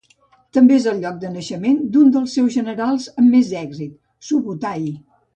També és el lloc de naixement d'un dels seus generals amb més èxit: Subutai.